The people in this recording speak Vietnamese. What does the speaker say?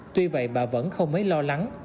tuy vậy bà vẫn không mấy lo lắng